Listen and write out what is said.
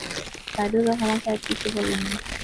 সাইদুর রহমান সাহেব কিছু বললেন না।